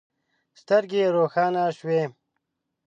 سترګې يې روښانه شوې.